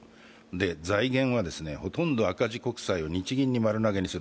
財源はほとんど赤字国債を日銀に丸投げにする。